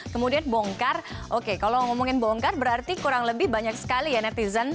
kemudian bongkar oke kalau ngomongin bongkar berarti kurang lebih banyak sekali ya netizen